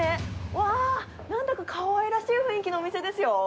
わー、なんだかかわいらしい雰囲気のお店ですよ。